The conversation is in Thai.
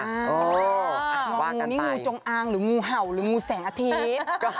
งองูนี่งูจงอางหรืองูเห่าหรืองูแสงอาทิตย์